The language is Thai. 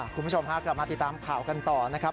คุณผู้ชมฮะกลับมาติดตามข่าวกันต่อนะครับ